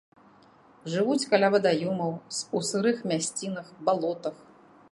Жывуць каля вадаёмаў, у сырых мясцінах, балотах.